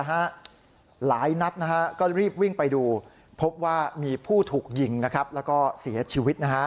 หลายนัดก็รีบวิ่งไปดูพบว่ามีผู้ถูกยิงแล้วก็เสียชีวิต